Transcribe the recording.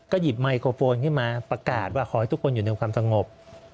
หยิบไมโครโฟนขึ้นมาประกาศว่าขอให้ทุกคนอยู่ในความสงบ